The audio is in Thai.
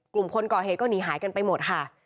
กลุ่มคนก่อเหตุก็หนีหายกันไปหมดค่ะ